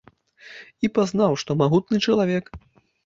І пазнаў, што магутны чалавек.